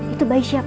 itu bayi siapa